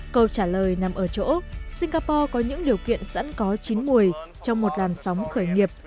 câu trả lời nằm ở chỗ singapore có những điều kiện sẵn có chín mùi trong một làn sóng khởi nghiệp